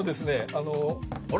あのあれ？